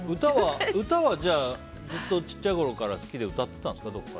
歌はずっと小さいころから好きでそうですね。